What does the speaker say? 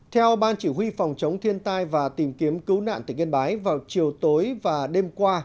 theo ban chỉ huy phòng chống thiên tai và tìm kiếm cứu nạn tỉnh yên bái vào chiều tối và đêm qua